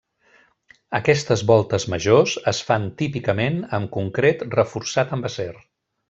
Aquestes voltes majors es fan típicament amb concret reforçat amb acer.